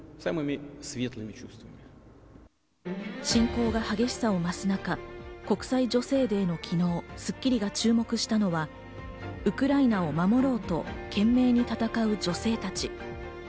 侵攻が激しさを増す中、国際女性デーの昨日、『スッキリ』が注目したのは、ウクライナを守ろうと懸命に戦う女性たち。